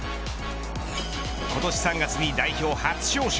今年３月に代表初招集。